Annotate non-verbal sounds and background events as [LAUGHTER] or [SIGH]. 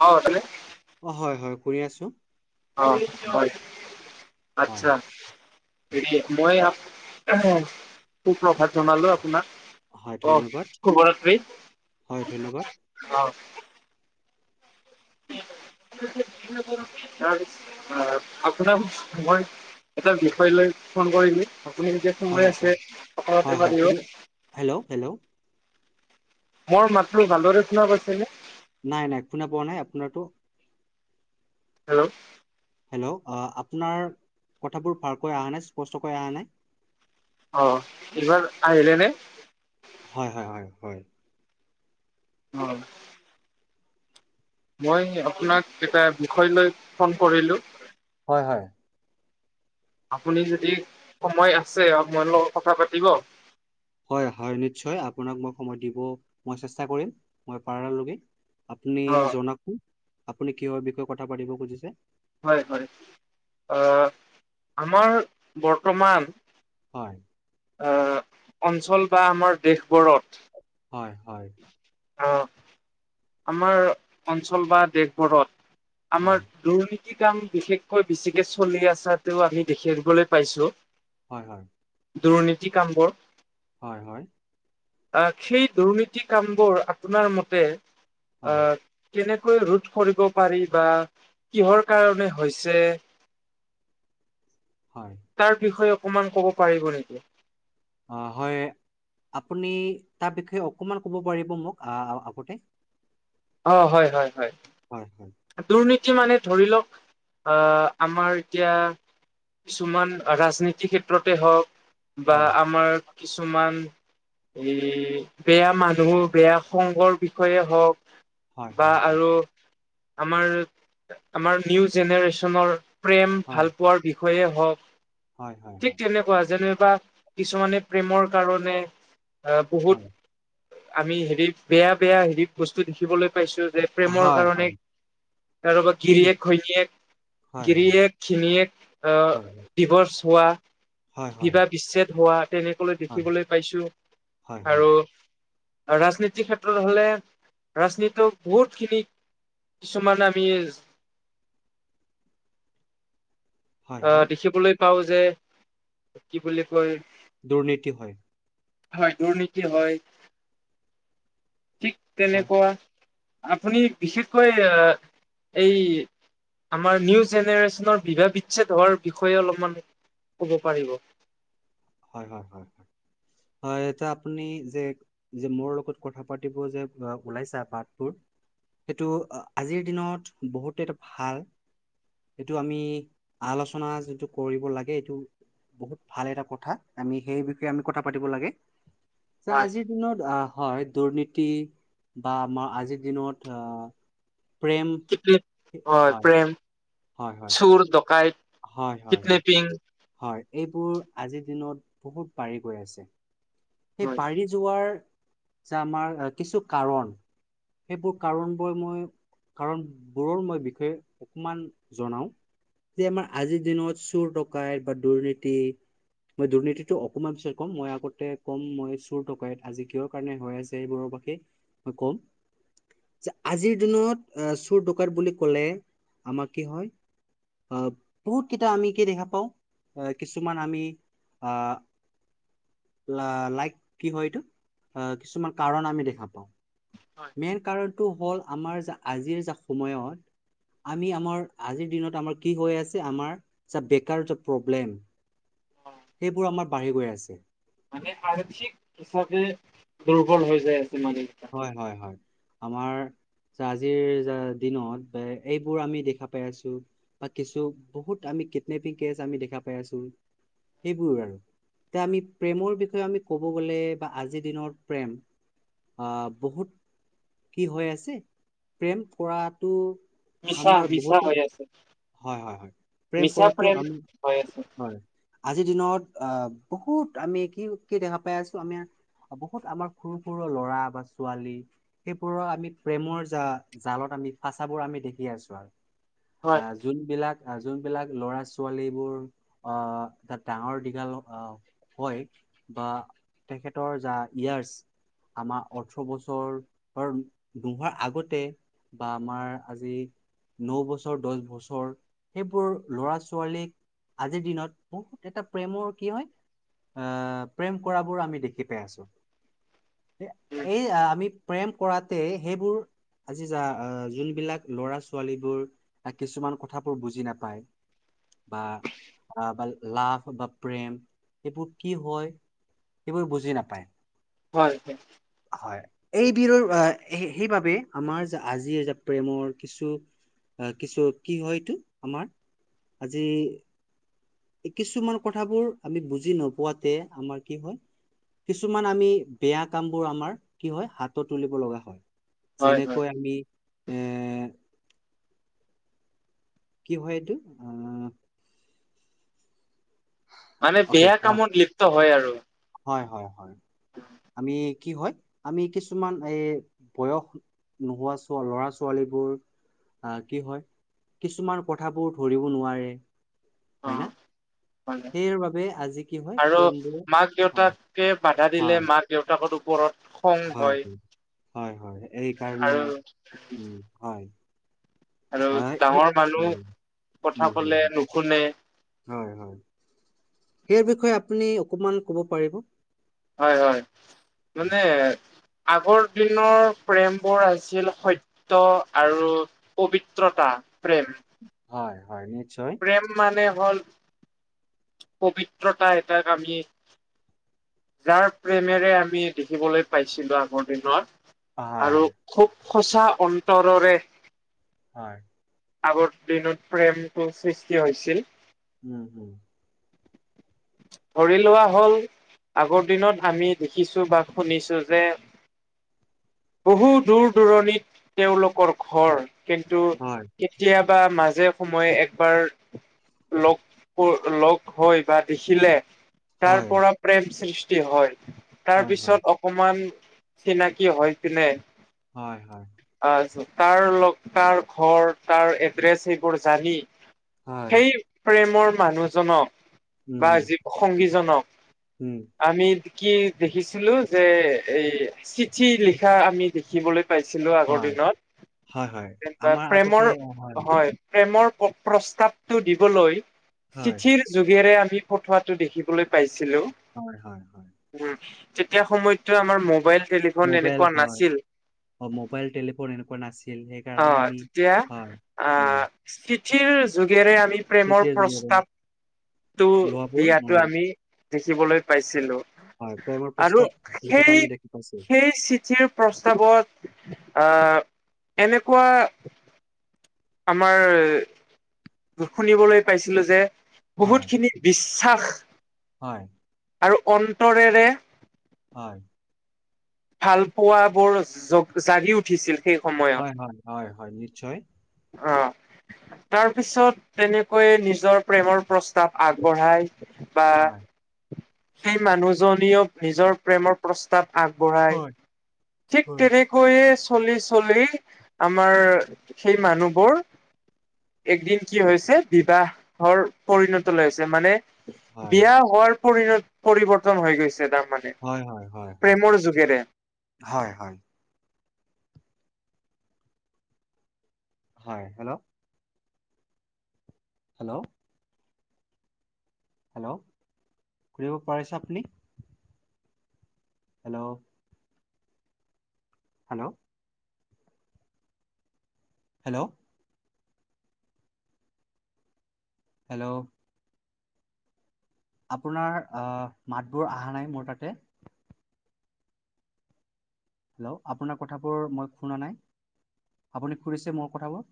হাও আছেনে? অ হয় হয় কৰি আছো। অ হয় হয় আত্চ্ছা। হেৰি মই সুপ্ৰভাত জনালো আপোনাক। হয় অ ধন্যবাদ সুভ ৰাত্ৰি হয় ধন্যবাদ [UNINTELLIGIBLE] [UNINTELLIGIBLE] আপোনাৰ মই। এটা বিষয় লৈ ফোন কৰিলো, আপুনি যেতিয়া হয় সময় হয় হয় আছে কথা হয় পাতিব হয় শুনি পাৰিব। Hello hello. মোৰ মাতটো ভালদৰে শুনা পাইছে নে? নাই নাই শুনা পোৱা নাই আপোনাৰাতটো। হেল্ল'। হেল্ল' আপোনাৰ কথাবোৰ ভালকৈ আহা নাই স্পষ্টকৈ আহা নাই। অ এইবাৰ আহিলে নে? হয় হয় হয় হয়। অ, মই আপোনাক এটা বিষয় লৈ ফোন কৰিলো। হয় হয়। আপুনি যদি সময় আছে মোৰ লগত কথা পাতিব। হয় হয় নিশ্চয় আপোনাক মই সময় দিব মই চেষ্টা কৰিম মই পাৰালৈকে। আপুনি অ জনাওকো আপুনি কিহৰ বিষয়ে কথা পাতিব খুজিছে। হয় হয় আ আমাৰ বৰ্তমান। হয়। অ, অঞ্চল বা আমাৰ দেশবোৰত। হয় হয়। আঁহ আমাৰ অঞ্চল বা দেশবৰত আমাৰ। হয় দুৰ্নীতি কাম বিশেষকৈ বেছিকে চলি আছা আমি দেখিবলৈ পাইছো। হয় হয়। দুৰ্নীতি কামবোৰ। হয় হয়। আহ সেই দুৰ্নীতি কামবোৰ আপোনাৰ মতে হয় আহ, কেনেকৈ ৰোধ কৰিব পাৰি বা কিহৰ কাৰনে হৈছে। হয়। তাৰ বিষয়ে অকমান ক'ব পাৰিব নেকি। অঁ হয় আপুনি তাৰ বিষয়ে অকণমান ক'ব পাৰিব মোক আগতে। অঁ হয় হয় হয়। হয় হয়। দুৰ্নীতি মানে ধৰি লওঁক আহ আমাৰ এতিয়া। কিছুমান ৰাজনীতিৰ ক্ষেত্ৰতে হওক বা হয়, আমাৰ কিছুমান এই বেয়া মানুহ, বেয়া সংগৰ বিষয়ে হওক হয় বা হয় হয়। আৰু আমাৰ আমাৰ নিউ জেনেৰেচনৰ প্ৰেম হয়, হয়, ভাল পোৱাৰ বি বিষয়ে হওক, হয়, ঠিক হয়, হয়, তেনে কোৱা যেনেবা কিছুমানে প্ৰেমৰ কাৰণে আহ হয়, বহুত আমি হেৰি বেয়া বেয়া হেৰি বস্তু দেখিবলৈ পাইছো যে প্ৰেমৰ হয়, হয়, কাৰণে আৰু গিৰিয়েক ঘৈণীয়েক এক হয়, হয়, হয়, গৰিয়েক খিনি হয়, হয়, ডিভৰ্চ হোৱা বিবাহ বিচ্ছেদ হোৱা তেনেক, হয়, দেখিবলৈ পাইছো হয়, আৰু আৰু ৰাজনীতিৰ ক্ষেত্ৰত হ'লে ৰাজনীতিক বহুতখিনি। কিছুমান আমি। হয়, আহ হয়, দেখিবলৈ পাওঁ যে কি বুলি কয়। দুৰ্নীতি হয়। হয় দুৰ্নীতি হয় ঠিক। হয়, তেনেকুৱা আপুনি বিশেষকৈ আহ এই, আমাৰ নিউ জেনেৰেচনৰ বিভাহ বিচ্ছেদ হোৱাৰ বিষয়ে অলপমান ক'ব পাৰিব। হয় হয় হয় হয় হয় এতিয়া আপুনি যে, যে মোৰ লগত কথা পাতিব যে ওলাইছা বাতবোৰ সেইটো আজিৰ দিনত বহুতে এটা ভাল এইটো আমি আলোচনা যিটো কৰিব লাগে, এইটো বহুত ভাল এটা কথা। আমি সেই বিষয়ে আমি কথা পাতিব লাগে, তা হয় আজি দিনত আহ হয় দুৰ্নীতি বা আমাৰ আজিৰ দিনত আহ প্ৰেম হয় প্ৰেম হয় হয় চুৰ ডকাইত হয় হয় হয় কিডনেপিং হয় এইবোৰ আজিৰ দিনত বহুত বাঢ়ি গৈ আছে। সেই হয় বাঢ়ি যোৱাৰ যে আমাৰ কিছু কাৰণ, সেইবোৰ কাৰণবোৰ মই কাৰণবোৰৰ মই বিষয়ে অকণমান জনাওঁ। যে আমাৰ আজিৰ দিনত চুৰ-ডকাইত বা দুৰ্নীতি মই দুৰ্নীতিটো অকমান পিছত ক'ম। মই আগতে কম মই চুৰ, ডকাইত আজি কিহৰ কাৰণে হৈ আছে, সেইবোৰৰ বাবে মই কম। যে আজিৰ দিনত এ চোৰ, ডকাইত বুলি ক'লে আমাৰ কি হয়। আ বহুত কেইটা আমিকি দেখা পাওঁ, আ কিছুমান আমি আহ লা লাইক কি হয় এইটো আ কিছুমান কাৰণ আমি দেখা পাওঁ। মেইন কাৰণটো হ'ল আমাৰ যা আজিৰ যা সময়ত আমি আমাৰ আজিৰ দিনত আমাৰ কি হৈ আছে, আমাৰ যা বেকাৰয প্ৰব্লেম সেইবোৰ আমাৰ বাঢ়ি গৈ আছে। মানে আৰ্থিক হিচাপে দুৰ্বল হৈ যায় আছে মানে। হয় হয় হয়, আমাৰ যা আজিৰ যা দিনত বা এইবোৰ আমি দেখা পাই আছো। বা কিছু বহুত আমি কিডনেপিং কেছ আমি দেখা পাই আছো সেইবোৰ আৰু, এতিয়া আমি প্ৰেমৰ বিষয়ে আমি ক'ব গলে বা আজিৰ দিনৰ প্ৰেম আহ বহুত কি হৈ আছে, প্ৰেম কৰাটো মিছা আমাৰ মিছা বহুতে হৈ আছে। হয়, হয়, হয়। প্ৰেম মিছা কৰাটো আমি হৈ আছে হয়, আজিৰ দিনত অ বহুত আমি কি কি দেখা পাই আছো আমি বহুত আমাৰ সৰু-সৰু ল'ৰা বা ছোৱালী সেইবোৰৰ আমি প্ৰেমৰ জা - জালত আমি ফাঁচাবোৰ আমি দেখি আছো আৰু। হয় আহ যোনবিলাক যোনবিলাক ল'ৰা - ছোৱালীবোৰ অ তাত ডাঙৰ-দীঘল অ হয় বা তেখেতৰ যা ইয়াৰ্চ আমাৰ অঠৰ বছৰ চৰ নোহোৱাৰ আগতে বা আমাৰ আজি ন বছৰ, দশ বছৰ, সেইবোৰ ল'ৰা - ছোৱালীক আজিৰ দিনত বহুত এটা প্ৰেমৰ কি হয় আহ প্ৰেম কৰাবোৰ আমি দেখি পাই আছো। উম, এই আমি প্ৰেম কৰাতে সেইবোৰ, আজি যা যোনবিলাক ল'ৰা-ছোৱালীবোৰ কিছুমান কথাবোৰ বুজি নাপায়, বা বা লাভ বা প্ৰেম এইবোৰ কি হয়, সেইবোৰ বুজি নাপায়। হয় হয়। হয়। এই বিৰৰ আহ সেইবাবে, আমাৰ যে আজি যে প্ৰেমৰ কিছু আহ কিছু কি হয় এইটো আমাৰ আজি এই কিছুমান কথাবোৰ আমি বুজি নোপোৱাতে আমাৰ কি হয় কিছুমান আমি বেয়া কাম বোৰ আমাৰ কি হয়, হাতত তুলিব লগা হয়। হয় হয়। যেনেকৈ আমি এ কি হয় এইটো আহ মানে অকে বেয়া কামত লিপ্ত হয় আৰু। হয়, হয়, হয়। আমি কি হয়, আমি কিছুমান এ বয়স নোহোৱা ল'ৰা-ছোৱালীবোৰ আহ কি হয়, কিছুমান কথাবোৰ ধৰিব নোৱাৰে, অ হয় না? [UNINTELLIGIBLE] সেইৰ বাবে আজি কি হয় আৰু প্ৰেমবোৰ হয় মাক-দেউতাকে বাধা দিলে, মাক দেউতাকৰ ওপৰত হয়। হয়, হয়, হয় এই কাৰণে আৰু উম হয়। আৰু হয় সেই ডাঙৰ মানুহ উম উম কথা হম ক'লে নুশুনে। হয় হয়। সেই বিষয়ে আপুনি অকমান ক'ব পাৰিব? হয় হয়, মানে আগৰ দিনৰ প্ৰেমবোৰ আছিল সত্য ত, আৰু পবিত্ৰতা প্ৰেম। হয় - হয় নিশ্চয়। প্ৰেম মানে হ'ল, পবিত্ৰতা এটাক আমি যাৰ প্ৰেমেৰে আমি দেখিবলৈ পাইছিলো আগৰ দিনত। আৰু হয় খুব সঁচা অন্তৰেৰে। হয়। আগৰ দিনত প্ৰেমটো সৃষ্টি হৈছিল। উম, হুম। ধৰি লোৱা হ'ল। আগৰ দিনত আমি দেখিছো বা শুনিছো যে। বহু দূৰ - দূৰণিত তেওঁলোকৰ ঘৰ কিন্তু হয় কেতিয়াবা মাজে সময়ে একবাৰ লগ - লগ হয়, বা দেখিলে তাৰ হয় পৰা প্ৰেম সৃষ্টি হয় তাৰ হয় হয় পিছত অকমান চিনাকি হৈ কিনে হয়-হয়। তাৰ লগ তাৰ ঘৰ তাৰ এড্ৰেছ সবোৰ জানি। হয় সেই প্ৰেমৰ মানুহজনক বা উম জীৱসংগীজনক উম আমি কি দেখিছিলো যে, এই চিঠি লিখা আমি দেখিবলৈ পাইছিলো আগৰ হয় দিনতা হয়, হয়। আমাৰ আগতে প্ৰেমৰ অ হয়। প্ৰেমৰ প্ৰস্তাৱটো দিবলৈ হয়, চিঠিৰ যুোগেৰে আমি ফঠোৱাটো দেখিবলৈ পাইছিলো। হয়- হয় -হয়। উম, তেতিয়া সময়ততো আমাৰ মোবাইল টেলিফোন মোবাইল এনেকুৱা হয়, নাছিল। মোবাইল টেলিফোন এনেকুৱা নাছিল। সেইকাৰণে আমি হয় উম, স্থিতিৰ যুগেৰে আমি প্ৰেমৰ চিঠিৰে যোগেৰে প্ৰস্তাৱ টো লোৱাবোৰ বিয়াতো হয়, আমি দেখিবলৈ পাইছিলো। হয়, প্ৰেমৰ আৰু প্ৰস্তাৱ লিখাটো সেই আমি দেখি পাইছো। - সেই চিঠিৰ প্ৰস্তাৱত আহ এনেকুৱা আমাৰ শুনিবলৈ পাইছিলো যে হয়, বহুতখিনি বিশ্বাস। হয়। আৰু অন্তৰেৰে হয়। ভাল পোৱা বোৰ জ জাৰি উঠিছিল। সেই সময়ত হয় - হয় - হয় - হয় নিশ্চয়। তাৰ পিছত তেনেকৈ নিজৰ প্ৰেমৰ প্ৰস্তাৱ আগবঢ়াই বা, হয়, সেই মানুহজনীয়েক নিজৰ প্ৰেমৰ প্ৰস্তাৱ আগবঢ়ায়। হয়, ঠিক হয়, তেনেকৈয়ে চলি - চলি আমাৰ সেই মানুহবোৰ একদিন কি হৈছে বিবাহৰ পৰিণত ল হৈছে মানে হয়, বিয়া হোৱাৰ পৰিণত পৰিবৰ্তন হৈ গৈছে। তাৰমানানে। হয়, হয়, হয়, হয়, প্ৰেমৰ জুগেৰে। হয় - হয়। হয় হেল্ল', হেল্ল', হেল্ল', কৰিব পাৰিছে আপুনি। হেল্ল', হেল্ল', হেল্ল', হেল্ল', আপোনাৰ মাতবোৰ আহা নাই মোৰ তাতে? হেল্ল' আপোনাৰ কথাবোৰ মই শুনা নাই। আপুনি শুনিছে মোৰ কথাবোৰ?